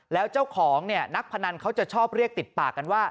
แล้วเจ้าของเนี่ยนักพนันเขาจะชอบเรียกติดปากกันว่า